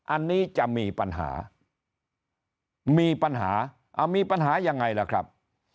อันนี้จะมีปัญหามีปัญหายังไงล่ะครับ